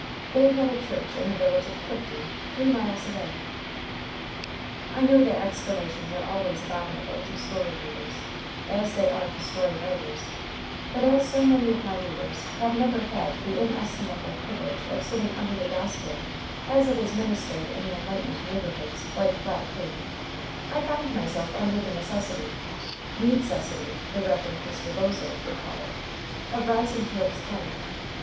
They had a church in the village of Clifty, three miles away. I know that explanations are always abominable to story readers, as they are to story writers, but as so many of my readers have never had the inestimable privilege of sitting under the gospel as it is ministered in enlightened neighborhoods like Flat Creek, I find myself under the necessity need cessity the Rev. Mr. Bosaw would call it of rising to explain.